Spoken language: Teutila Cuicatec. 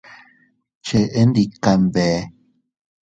Cheʼe ndikya kanbee.